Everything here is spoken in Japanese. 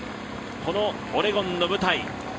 オレゴンの舞台